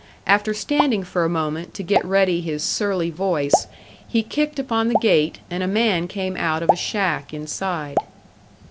After standing for a moment to get ready his surly voice, he kicked upon the gate and a man came out of a shack inside.